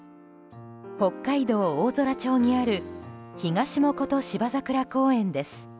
北海道大空町にあるひがしもこと芝桜公園です。